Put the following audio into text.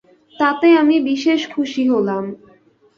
তাতে আমি বিশেষ খুশী হলাম।